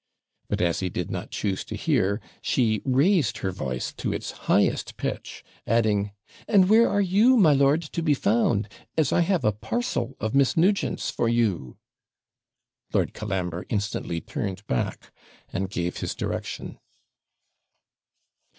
But as he did not choose to hear, she raised her voice to its highest pitch, adding 'And where are you, my lord, to be found! as I have a parcel of Miss Nugent's for you.' Lord Colambre instantly turned back, and gave his direction.